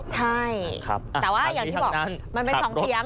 ใช่แต่ว่าอย่างที่บอกมันเป็น๒เสียง